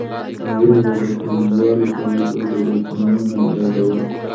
هغې به د ټولګیوالو په لیدو درسونه یادول